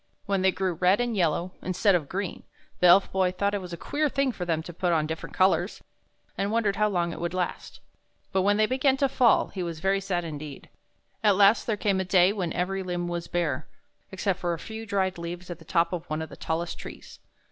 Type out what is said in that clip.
When they grew red and yellow, instead of green, the Elf Boy thought it was a queer thing for them to put on different colors, and wondered how long it would last. But when they began to fall, he 26 THE BOY WHO DISCOVERED THE SPRING was very sad indeed. At last there came a day when every limb was bare, except for a few dried leaves at the top of one of the tallest trees.